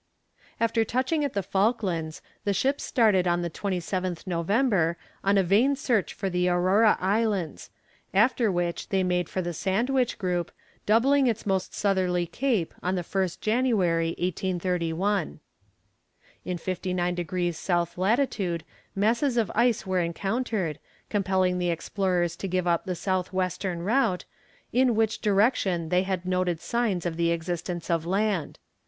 After touching at the Falklands, the ships started on the 27th November on a vain search for the Aurora Islands, after which they made for the Sandwich group, doubling its most southerly cape on the 1st January, 1831. In 59 degrees S. lat. masses of ice were encountered, compelling the explorers to give up the south western route, in which direction they had noted signs of the existence of land.